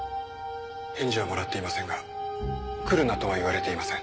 返事はもらっていませんが来るなとは言われていません。